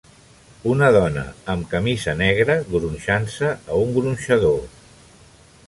Una dona amb camisa negra gronxant-se a un gronxador.